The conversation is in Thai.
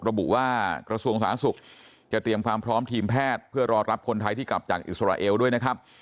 ระบุว่ากระทรวงสาธารณสุขจะเตรียมความพร้อมทีมแพทย์เพื่อรอรับคนไทยที่กลับจากอิสราเอลด้วยนะครับ